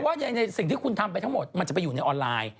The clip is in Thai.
ว่าในสิ่งที่คุณทำไปทั้งหมดมันจะไปอยู่ในออนไลน์